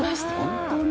本当に？